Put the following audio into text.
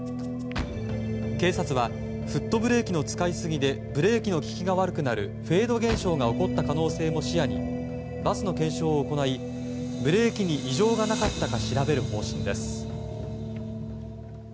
警察はフットブレーキの使い過ぎでブレーキの利きが悪くなるフェード現象が起こった可能性も視野にバスの検証を行いブレーキに異常がなかったか調べる方針です。